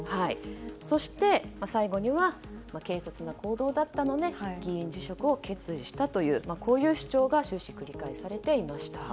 そして、最後には軽率な行動だったので議員辞職を決意したというこういう主張が終始繰り返されていました。